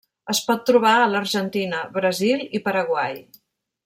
Es pot trobar a l'Argentina, Brasil, i Paraguai.